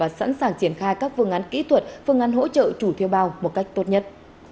và sẵn sàng triển khai các phương án kỹ thuật phương án hỗ trợ chủ thuê bao một cách tốt nhất